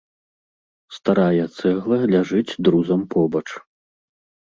Старая цэгла ляжыць друзам побач.